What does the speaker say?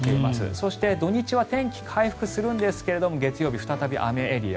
そして土日は天気回復するんですが月曜日、再び雨エリア。